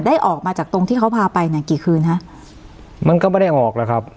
ออกมาจากตรงที่เขาพาไปเนี่ยกี่คืนฮะมันก็ไม่ได้ออกแล้วครับ